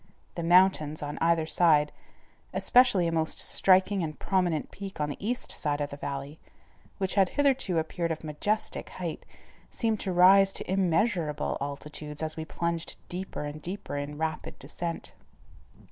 The mountains on either side, especially a most striking and prominent peak on the east side of the valley, which had hitherto appeared of majestic height, seemed to rise to immeasurable altitudes as we plunged deeper and deeper in rapid descent.